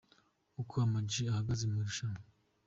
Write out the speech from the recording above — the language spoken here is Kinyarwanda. Uko Ama G ahagaze mu irushanwa.